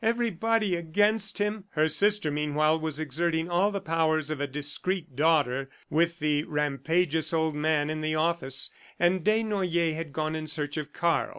Everybody against him!" Her sister meanwhile was exerting all the powers of a discreet daughter with the rampageous old man in the office, and Desnoyers had gone in search of Karl.